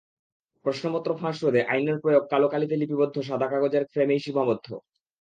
প্রশ্নপত্র ফাঁস রোধে আইনের প্রয়োগ কালো কালিতে লিপিবদ্ধ সাদা কাগজের ফ্রেমেই সীমাবদ্ধ।